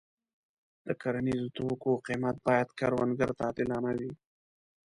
د کرنیزو توکو قیمت باید کروندګر ته عادلانه وي.